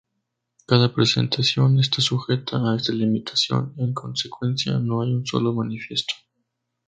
Cada presentación está sujeta a esta limitación, en consecuencia, no hay un solo manifiesto.